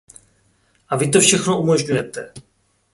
A vy to všechno umožňujete!